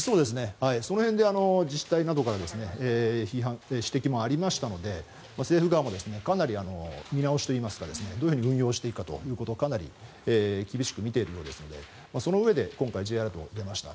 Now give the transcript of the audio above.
その辺で自治体などから指摘もありましたので政府側もかなり見直しといいますかどう運用していくかをかなり厳しく見ているようですのでそのうえで、今回Ｊアラートが出ました。